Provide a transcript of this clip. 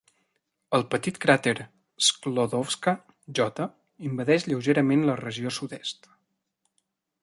El petit cràter Sklodowska J invadeix lleugerament la regió sud-est.